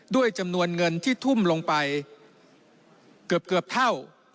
ด้วยจำนวนเงินที่ทุ่มลงไปเกือบเท่า